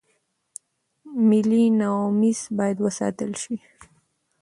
ملي نواميس بايد وساتل شي.